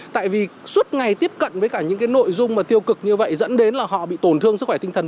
tại vì suốt ngày tiếp cận với cả những cái nội dung mà tiêu cực như vậy dẫn đến là họ bị tổn thương sức khỏe tinh thần